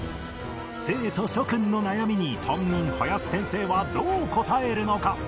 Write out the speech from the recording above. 生徒諸クンの悩みに担任林先生はどう答えるのか？